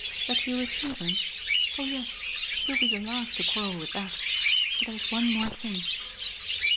"That you receive him? Oh yes. He'll be the last to quarrel with that. But there's one more thing."